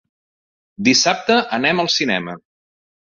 Dissabte anem al cinema.